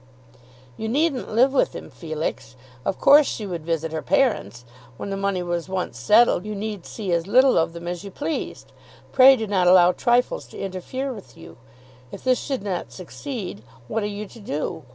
"You needn't live with him, Felix. Of course she would visit her parents. When the money was once settled you need see as little of them as you pleased. Pray do not allow trifles to interfere with you. If this should not succeed, what are you to do?